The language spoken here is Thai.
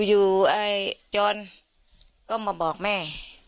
อยู่จรก็มาบอกแม่